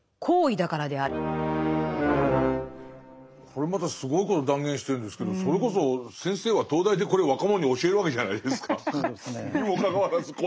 これまたすごいこと断言してるんですけどそれこそ先生は東大でこれ若者に教えるわけじゃないですか。